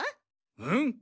うん？